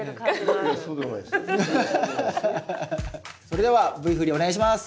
それではＶ振りお願いします！